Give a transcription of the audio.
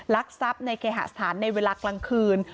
ลักทรัพย์ในเคหสถานในเวลากลางคืน